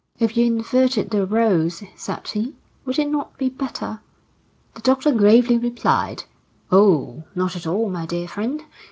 "If you inverted the rôles," said he, "would it not be better?" The doctor gravely replied: "Oh! not at all, my dear friend.